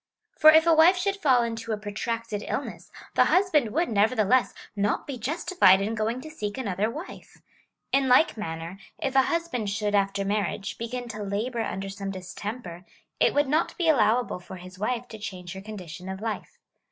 For if a wife should fall into a protracted illness, the husband would, nevertheless, not be justified in going to seek another wife. In like manner, if a husband should, after marriage, begin to labour under some distemper, it would not be allowable for his wife to change her condition of life.